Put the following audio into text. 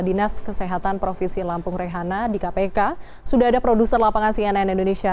dinas kesehatan provinsi lampung rehana di kpk sudah ada produser lapangan cnn indonesia